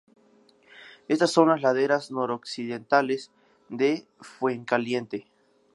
Estas son Las Laderas Noroccidentales de Fuencaliente.